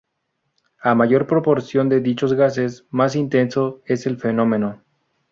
A mayor proporción de dichos gases, más intenso es el fenómeno.